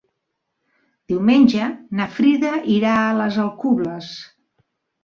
Diumenge na Frida irà a les Alcubles.